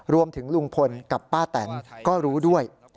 รวมถึงลุงพลกับป้าแตนก็รู้ด้วย